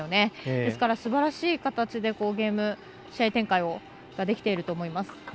ですから、すばらしい形で試合展開ができていると思います。